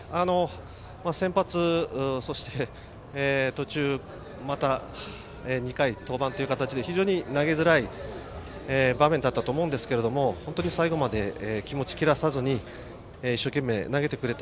先発、そして途中また２回登板という非常に投げづらい場面だったと思いますが本当に最後まで気持ち切らさずに一生懸命投げてくれた。